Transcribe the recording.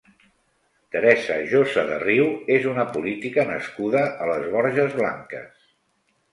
Teresa Josa de Riu és una política nascuda a les Borges Blanques.